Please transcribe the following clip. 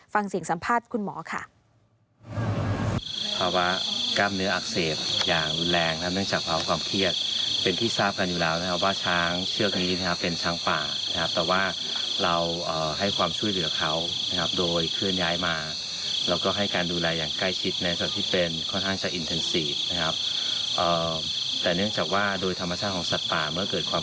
ฟังเสียงสัมภาษณ์คุณหมอค่ะ